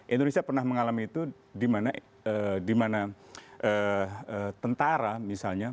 indonesia pernah mengalami itu di mana tentara misalnya